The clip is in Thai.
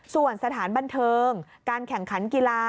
ส่วนสถานบันเทิงการแข่งขันกีฬา